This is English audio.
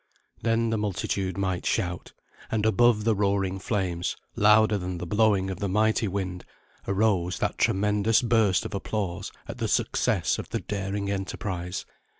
Then the multitude might shout; and above the roaring flames, louder than the blowing of the mighty wind, arose that tremendous burst of applause at the success of the daring enterprise.